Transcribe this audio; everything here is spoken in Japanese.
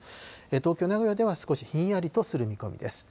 東京、名古屋では少しひんやりとする見込みです。